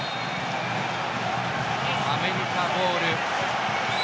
アメリカボール。